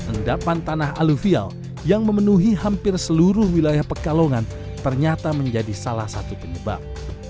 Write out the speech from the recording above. endapan tanah aluvial yang memenuhi hampir seluruh wilayah pekalongan ternyata menjadi salah satu penyebab